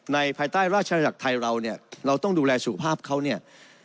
ภายใต้ราชจักรไทยเราเนี่ยเราต้องดูแลสุขภาพเขาเนี่ย